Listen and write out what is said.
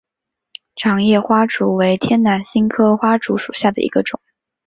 掌叶花烛为天南星科花烛属下的一个种。